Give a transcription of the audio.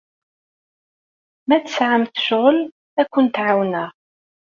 Ma tesɛamt ccɣel, ad kent-ɛawneɣ.